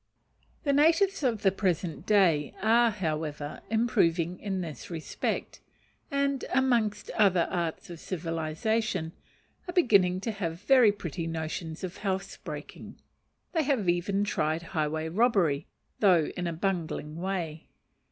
The natives of the present day are, however, improving in this respect, and, amongst other arts of civilization, are beginning to have very pretty notions of housebreaking; they have even tried highway robbery, though in a bungling way.